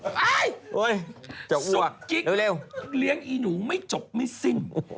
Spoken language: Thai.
ไปซุ๊กกิ๊กเลี้ยงอีหนูไม่จบไม่สิ้นเร็ว